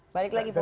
balik lagi pung